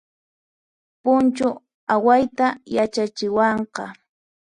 Punchu awayta yachachiwanqa